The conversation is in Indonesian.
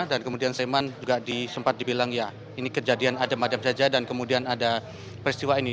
dan kemudian sleman juga disempat dibilang ya ini kejadian ada madem saja dan kemudian ada peristiwa ini